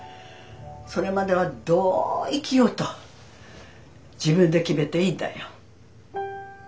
それまではどう生きようと自分で決めていいんだよ。